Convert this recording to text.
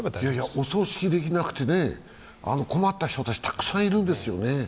お葬式できなくて困った人たち、たくさんいるんですよね。